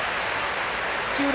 土浦